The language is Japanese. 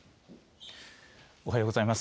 おはようございます。